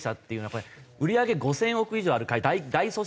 これ売り上げ５０００億以上ある大組織じゃないですか。